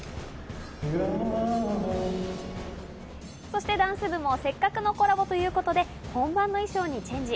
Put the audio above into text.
そしてダンス部もせっかくのコラボということで、本番の衣装にチェンジ。